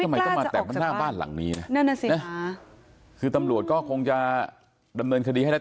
ไม่กล้าจะออกจากบ้านหลังนี้น่ะนั่นน่ะสิค่ะคือตำรวจก็คงจะดำเนินคดีให้ได้